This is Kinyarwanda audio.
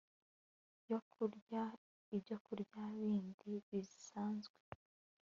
yo kurya ibyokurya bindi bisanzwe